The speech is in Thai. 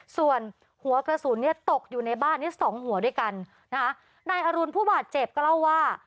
ส่วนหัวกระสุนเนี่ยตกอยู่ในบ้านนี้สองหัวด้วยกันนะคะนายอรุณผู้บาดเจ็บก็เล่าว่า